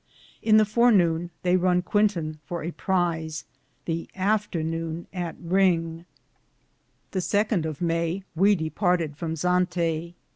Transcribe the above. In the fore noune they Run Quintan for a prize, the after noone at Ringe. The second of Maye we departed from Zante.